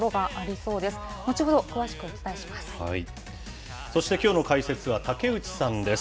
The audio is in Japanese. そして、きょうの解説は竹内さんです。